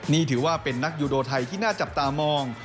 นี่ถือว่าเป็นนักยูโดไทยที่น่าจับตามอง